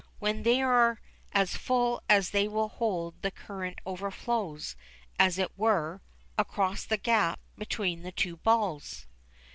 ] When they are as full as they will hold the current overflows, as it were, across the gap between the two balls.